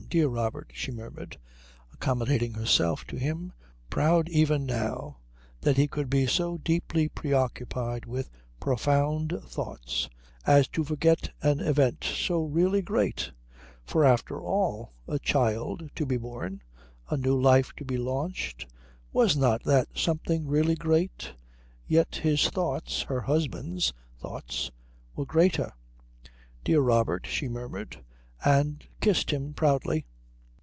"Dear Robert," she murmured, accommodating herself to him, proud even, now, that he could be so deeply preoccupied with profound thoughts as to forget an event so really great: for after all, a child to be born, a new life to be launched, was not that something really great? Yet his thoughts, her husband's thoughts, were greater. "Dear Robert," she murmured; and kissed him proudly.